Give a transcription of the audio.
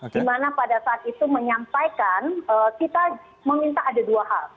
dimana pada saat itu menyampaikan kita meminta ada dua hal